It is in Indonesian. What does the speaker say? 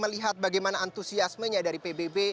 melihat bagaimana antusiasmenya dari pbb